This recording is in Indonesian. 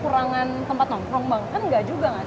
kan nggak juga nggak sih